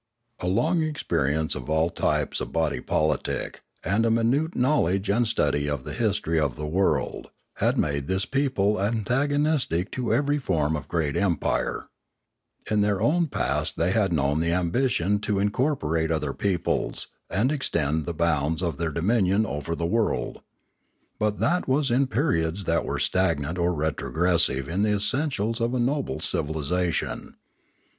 A long experience of all types of body politic, and a minute knowledge and study of the history of the world, had made this people antagonistic to every form of great empire. In their own far past they had known the ambition to incorporate other peoples, and extend the bounds of their dominion over the world. But that was in periods that were stagnant or retrogressive in the essentials of a noble civilisation.